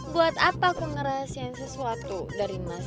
buat apa aku ngerahasikan sesuatu dari mas